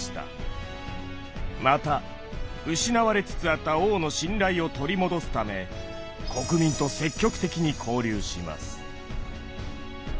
また失われつつあった王の信頼を取り戻すため国民と積極的に交流します。